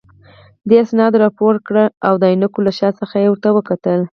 دې اسناد راپورته کړل او د عینکو له شا څخه یې ورته وکتل.